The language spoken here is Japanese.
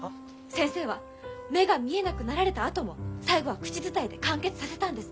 先生は目が見えなくなられたあとも最後は口伝えで完結させたんです！